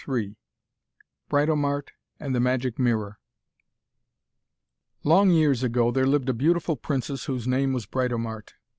III BRITOMART AND THE MAGIC MIRROR Long years ago there lived a beautiful princess whose name was Britomart.